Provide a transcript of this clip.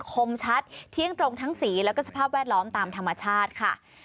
คมชัดเที่ยงตรงทั้งสีแล้วก็สภาพแวดล้อมตามธรรมชาติค่ะ